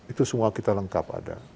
itu semua kita lengkap ada